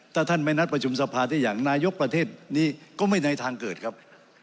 ถ้าท่านไม่นัดประชุมสภาได้อย่างนายกประเทศนี้ก็ไม่ในทางเกิดครับ